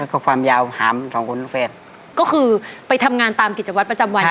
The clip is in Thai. ก็ความยาวหามสองคนลูกแฝดก็คือไปทำงานตามกิจวัตรประจำวัน